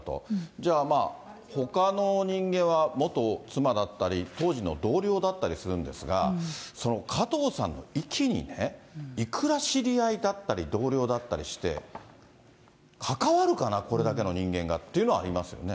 じゃあ、ほかの人間は、元妻だったり、当時の同僚だったりするんですが、加藤さんの遺棄にね、いくら知り合いだったり、同僚だったりして、関わるかな、これだけの人間がっていうのはありますよね。